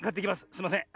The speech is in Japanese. すいません。